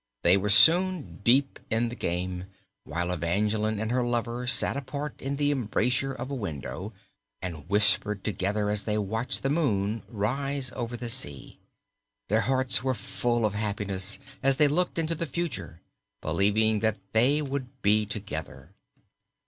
They were soon deep in the game, while Evangeline and her lover sat apart in the embrasure of a window and whispered together as they watched the moon rise over the sea. Their hearts were full of happiness as they looked into the future, believing that they would be together.